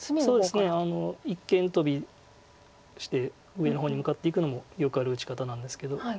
そうですね一間トビして上の方に向かっていくのもよくある打ち方なんですけど。